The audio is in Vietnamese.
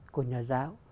của nhà giáo